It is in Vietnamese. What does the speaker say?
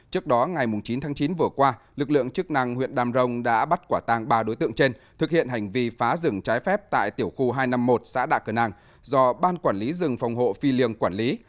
trước đó ngày chín tháng chín vừa qua lực lượng chức năng huyện đàm rồng đã bắt quả tàng ba đối tượng trên thực hiện hành vi phá rừng trái phép tại tiểu khu hai trăm năm mươi một xã đạ cờ nàng do ban quản lý rừng phòng hộ phi liêng quản lý